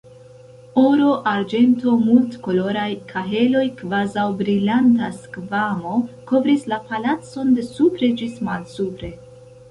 Oro, arĝento, multkoloraj kaheloj, kvazaŭ brilanta skvamo, kovris la palacon de supre ĝis malsupre.